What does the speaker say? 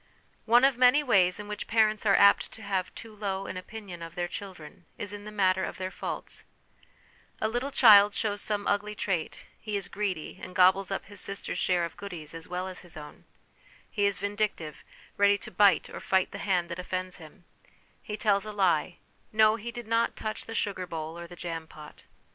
One of many ways in which parents are apt to have too low an opinion of their children is in the matter of their faults, A little child shows some ugly trait he is greedy, and gobbles up his sister's share of goodies as well as his own ; he is vindictive, ready to bite or fight the hand that offends him ; he tells a lie ; no, he did not touch the sugar bowl or the jam pot.